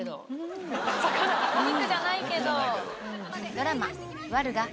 お肉じゃないけど。